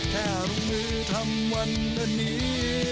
แค่ลงมือทำวันวันนี้